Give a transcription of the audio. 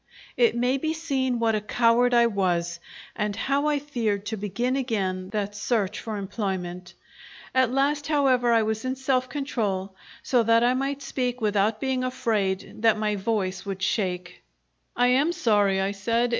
It may be seen what a coward I was, and how I feared to begin again that search for employment. At last, however, I was in self control, so that I might speak without being afraid that my voice would shake. "I am sorry," I said.